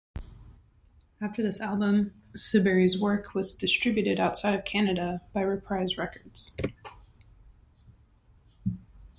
After this album, Siberry's work was distributed outside of Canada by Reprise Records.